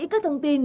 các thông tin